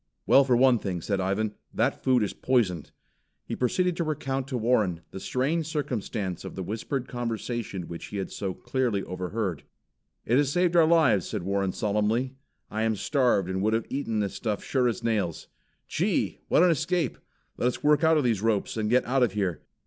"Well, for one thing," said Ivan, "that food is poisoned." He proceeded to recount to Warren, the strange circumstance of the whispered conversation which he had so clearly overheard. "It has saved our lives," said Warren solemnly. "I am starved and would have eaten this stuff sure as nails. Gee, what an escape! Let us work out of these ropes and get out of here.